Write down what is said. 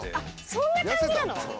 そんな感じなの？